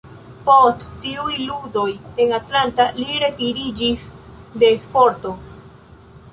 Post tiuj ludoj en Atlanta li retiriĝis de sporto.